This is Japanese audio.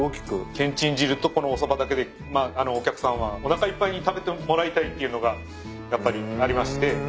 けんちん汁とこのおそばだけでお客さんはおなかいっぱいに食べてもらいたいっていうのがやっぱりありまして。